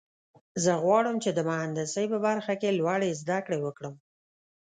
زه غواړم چې د مهندسۍ په برخه کې لوړې زده کړې وکړم